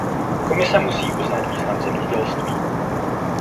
Komise musí uznat význam zemědělství!